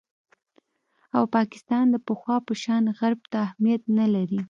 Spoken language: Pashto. او پاکستان د پخوا په شان غرب ته اهمیت نه لري